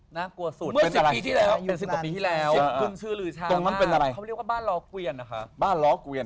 น่ากลัวสุดเมื่อสิบปีที่แล้วคุณชื่อหลือชามากเขาเรียกว่าบ้านล้อเกวียนนะคะบ้านล้อเกวียน